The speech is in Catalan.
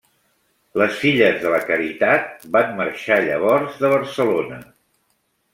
Les Filles de la Caritat van marxar llavors de Barcelona.